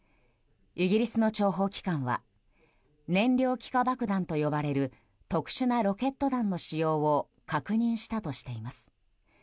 イギリスの諜報機関は燃料気化爆弾と呼ばれる特殊なロケット弾の使用を確認したとしています。